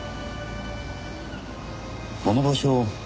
この場所。